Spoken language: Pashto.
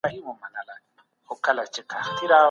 دا نظریات به د نورو علماؤ پوهه زیاته کړي.